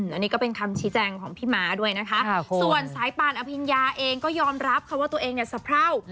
อันนี้ก็เป็นคำชี้แจงของพี่ม้าด้วยนะคะส่วนสายปานอภิญญาเองก็ยอมรับค่ะว่าตัวเองเนี่ยสะเพรา